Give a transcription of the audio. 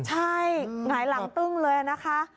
ใช่หงายหลังตึ้งเลยนะคะ